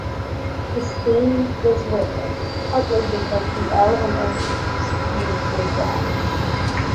This scheme was rare, partly because the L and N used few wigwags.